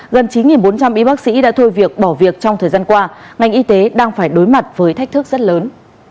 gần chín bốn trăm linh y bác sĩ đã thôi việc bỏ việc trong thời gian qua ngành y tế đang phải đối mặt với thách thức rất lớn